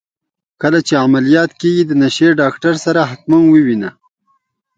کله چي عمليات کيږې د نشې ډاکتر سره حتما ووينه.